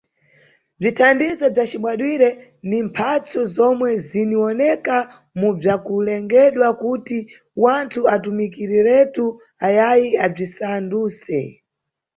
Bzithandizo bzacibadwire ni mphatso zomwe ziniwoneka mu bzakulengedwa kuti wanthu atumikireretu ayayi abzisanduse.